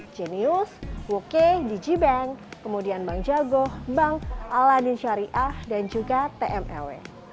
genius woke dji bank kemudian bank jago bank aladin syariah dan juga tmew